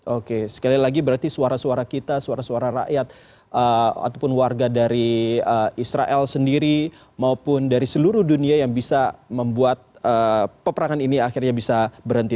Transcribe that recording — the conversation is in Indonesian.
oke sekali lagi berarti suara suara kita suara suara rakyat ataupun warga dari israel sendiri maupun dari seluruh dunia yang bisa membuat peperangan ini akhirnya bisa berhenti